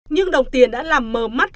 nhưng đồng tiền đã làm mờ mắt